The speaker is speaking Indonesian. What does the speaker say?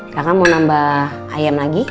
kakak mau nambah ayam lagi